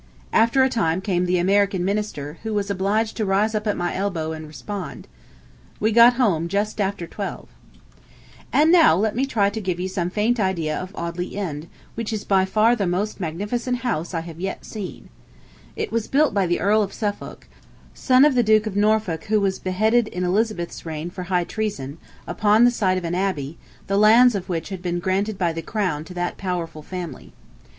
After a time came the "American Minister," who was obliged to rise up at my elbow and respond. We got home just after twelve. [Picture: Lady Palmerston. From a painting, by permission of Sir Francis Gore] And now let me try to give you some faint idea of Audley End, which is by far the most magnificent house I have seen yet. It was built by the Earl of Suffolk, son of the Duke of Norfolk who was beheaded in Elizabeth's reign for high treason, upon the site of an abbey, the lands of which had been granted by the crown to that powerful family.